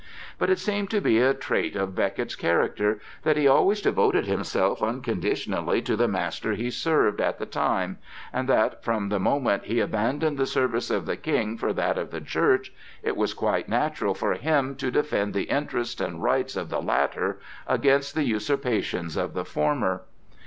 But it seemed to be a trait of Becket's character, that he always devoted himself unconditionally to the master he served at the time, and that from the moment he abandoned the service of the King for that of the Church it was quite natural for him to defend the interests and rights of the latter against the usurpations of the former.